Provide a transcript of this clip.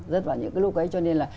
rất vào những cái lúc ấy cho nên là